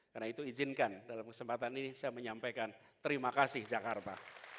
karena itu izinkan dalam kesempatan ini saya menyampaikan terima kasih jakarta